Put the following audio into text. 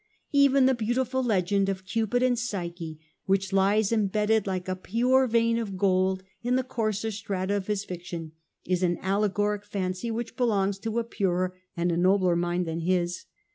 Even the beautiful legend of Cupid and of Psyche, which lies em bedded like a pure vein of gold in the coarser strata of his fiction, is an allegoric fancy which belongs to a purer and a nobler mind than his.